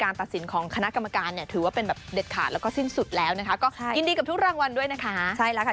เขารพในคณะกรรมการเนี่ยถือว่าเป็นแบบเด็ดขาดและก็สิ้นสุดแล้วหนึ่งนะแหละ